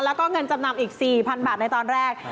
แล้วก็เงินจำนำอีก๔๐๐๐บาทในตอนแรก